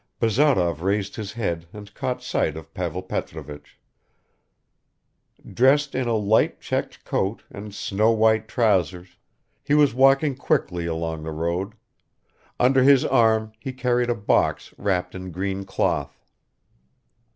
Bazarov raised his head and caught sight of Pavel Petrovich. Dressed in a light checked coat and snow white trousers, he was walking quickly along the road; under his arm he carried a box wrapped in green cloth.